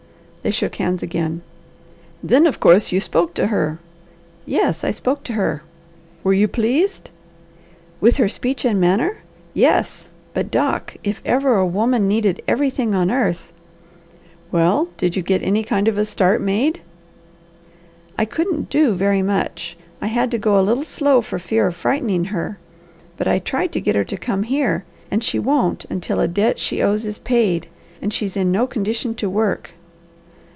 They shook hands again. "Then of course you spoke to her." "Yes I spoke to her." "Were you pleased?" "With her speech and manner? yes. But, Doc, if ever a woman needed everything on earth!" "Well did you get any kind of a start made?" "I couldn't do so very much. I had to go a little slow for fear of frightening her, but I tried to get her to come here and she won't until a debt she owes is paid, and she's in no condition to work."